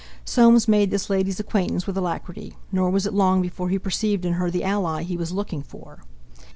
Soames made this lady's acquaintance with alacrity, nor was it long before he perceived in her the ally he was looking for.